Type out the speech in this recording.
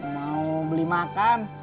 mau beli makan